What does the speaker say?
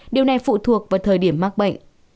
điều này phụ thuộc vào thời điểm mắc bệnh